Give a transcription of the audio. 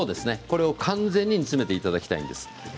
これを完全に煮詰めていただきたいんです。